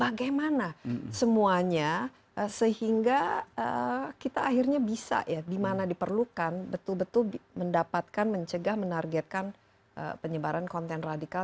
bagaimana semuanya sehingga kita akhirnya bisa ya dimana diperlukan betul betul mendapatkan mencegah menargetkan penyebaran konten radikal